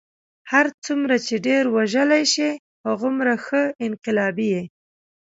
هر څومره چې ډېر وژلی شې هغومره ښه انقلابي یې.